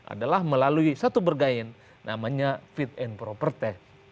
adalah melalui satu bergain namanya fit and proper test